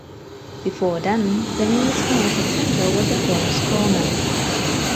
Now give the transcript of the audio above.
Before then, the nearest commercial center was at Doan's Corners.